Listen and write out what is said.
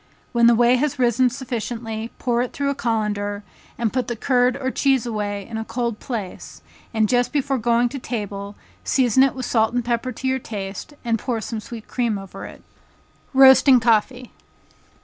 When the whey has risen sufficiently, pour it through a colander, and put the curd or cheese away in a cold place, and just before going to table, season it with salt and pepper to your taste, and pour some sweet cream over it. Roasting Coffee.